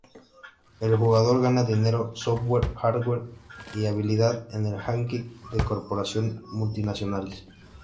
El jugador gana dinero, software, hardware, y habilidad en el hacking de corporaciones multinacionales.